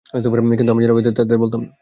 কিন্তু আমি জানলেও তাদের বলতাম না।